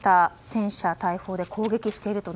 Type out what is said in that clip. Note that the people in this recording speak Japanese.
戦車、大砲で攻撃していると。